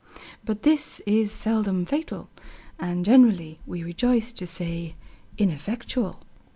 But this is seldom fatal, and generally, we rejoice to say, ineffectual.